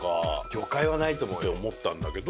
魚介はないと思うよ。って思ったんだけど。